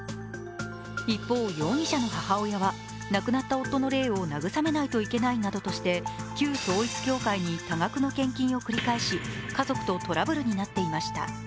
一方、容疑者の母親は亡くなった夫の霊を慰めないといけないなどとして旧統一教会に多額の献金を繰り返し家族とトラブルになっていました。